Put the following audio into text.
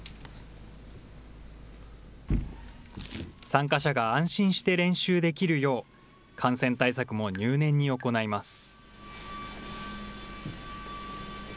参加者が安心して練習できるよう、感染対策も入念に行います。